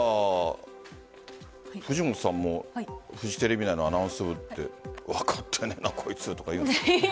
藤本さんもフジテレビ内のアナウンス部で分かってないな、こいつとかいる？